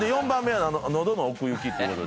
４番目は喉の奥行き。